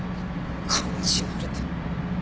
感じ悪っ。